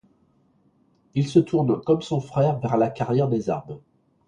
Il se tourne, comme son frère vers la carrière des armes.